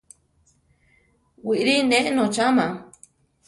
Wiʼri ne notzama.